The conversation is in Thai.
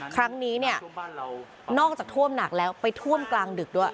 ครั้งนี้เนี่ยนอกจากท่วมหนักแล้วไปท่วมกลางดึกด้วย